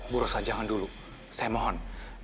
bu rosa jangan dulu saya mohon